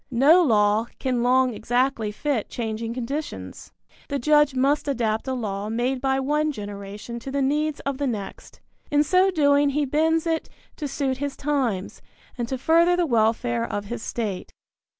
No law can long exactly fit changing conditions. The judge must adapt a law made by one generation to the needs of the next. In so doing he bends it to suit his times, and to further the welfare of his state.